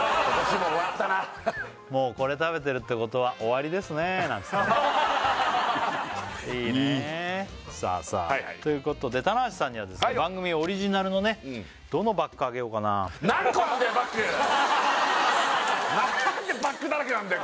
もうこれ食べてるってことは終わりですねなんつってねいいねさあさあいいということで棚橋さんにはですね番組オリジナルのねどのバッグあげようかななんでバッグだらけなんだよ